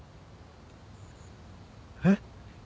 えっ？